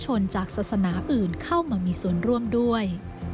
ชนจากศาสนาอื่นเข้ามามีส่วนร่วมด้วย